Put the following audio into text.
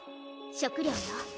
・食料よ。